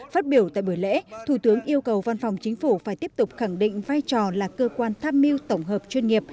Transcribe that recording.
phát biểu tại buổi lễ thủ tướng yêu cầu văn phòng chính phủ phải tiếp tục khẳng định vai trò là cơ quan tham mưu tổng hợp chuyên nghiệp